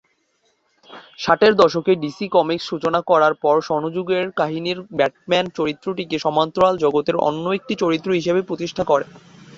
ষাটের দশকে DC comics সূচনা করার পর স্বর্ণযুগের কাহিনীর ব্যাটম্যান চরিত্রটিকে সমান্তরাল জগতের অন্য একটি চরিত্র হিসেবে প্রতিষ্ঠা করে।